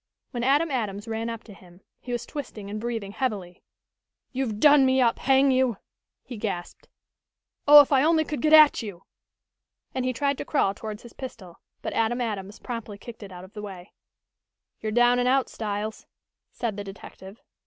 When Adam Adams ran up to him he was twisting and breathing heavily. "You've done me up, hang you!" he gasped. "Oh, if I only could get at you!" and he tried to crawl towards his pistol, but Adam Adams promptly kicked it out of the way. "You're down and out, Styles," said the detective.